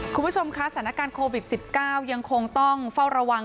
คุณผู้ชมคะสถานการณ์โควิด๑๙ยังคงต้องเฝ้าระวัง